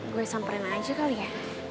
gue samperin aja kali ya